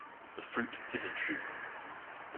The fruit is a drupe.